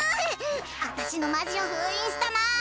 私のマジを封印したな！